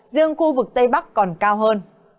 riêng khu vực tây bắc còn cao hơn